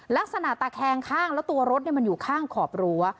ลักษณะตาแคงข้างแล้วตัวรถเนี่ยมันอยู่ข้างขอบรั้ว